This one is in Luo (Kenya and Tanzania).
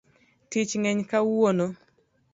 Tich ng'eny kawuono